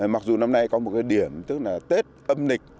mặc dù năm nay có một cái điểm tức là tết âm lịch